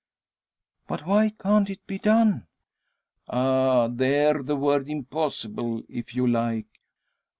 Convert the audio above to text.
"But why can't it be done?" "Ah! There the word impossible, if you like.